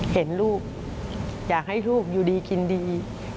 เห็นลูกอยากให้ลูกอยู่ดีกินดี